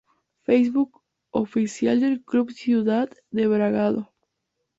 Facebook Oficial del Club Ciudad de Bragado